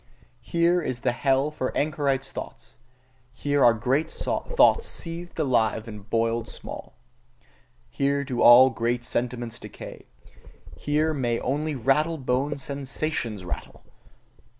Here is the hell for anchorites' thoughts: here are great thoughts seethed alive and boiled small. Here do all great sentiments decay: here may only rattle boned sensations rattle!